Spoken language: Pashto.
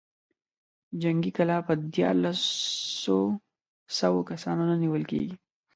جنګي کلا په ديارلسو سوو کسانو نه نېول کېږي.